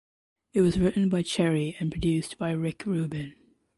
It was written by Cherry and produced by Rick Rubin.